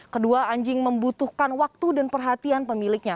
kedua anjing membutuhkan waktu dan perhatian pemiliknya